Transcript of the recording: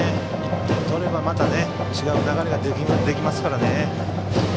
１点取れば、また違う流れができますからね。